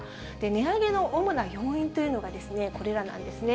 値上げの主な要因というのがこれなんですね。